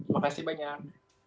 terima kasih banyak